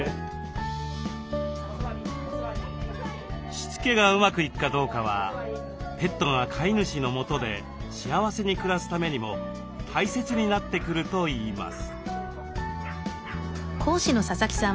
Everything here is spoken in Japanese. しつけがうまくいくかどうかはペットが飼い主のもとで幸せに暮らすためにも大切になってくるといいます。